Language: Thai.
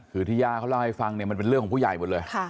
คือที่ย่าเขาเล่าให้ฟังเนี่ยมันเป็นเรื่องของผู้ใหญ่หมดเลย